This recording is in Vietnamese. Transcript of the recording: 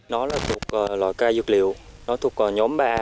nó là thuộc loại cây dược liệu nó thuộc nhóm ba a